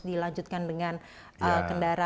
dilanjutkan dengan kendaraan